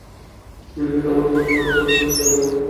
কী জন্যে আমার খোঁজ করছেন সেটা বলুন।